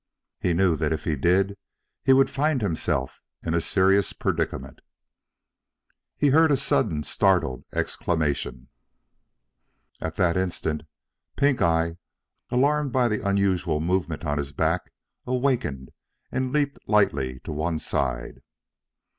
He knew that if he did, he would find himself in a serious predicament. He heard a sudden startled exclamation. At that instant, Pink eye, alarmed by the unusual movement on his back, awakened and leaped lightly to one side.